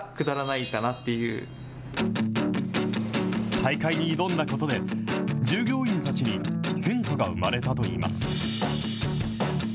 大会に挑んだことで、従業員たちに変化が生まれたといいます。